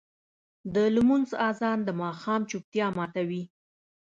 د لمونځ اذان د ماښام چوپتیا ماتوي.